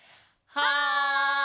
はい。